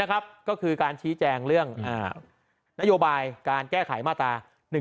นะครับก็คือการชี้แจงเรื่องอ่านโยบายการแก้ไขมาตราหนึ่ง